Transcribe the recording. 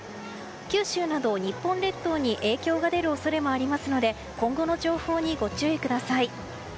九州など日本列島に影響が出る恐れもありますので今後の情報にご注意ください。